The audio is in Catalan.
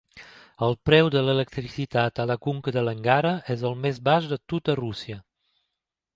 El preu de l'electricitat a la conca de l'Angara és el més baix de tota Rússia.